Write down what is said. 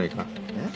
えっ？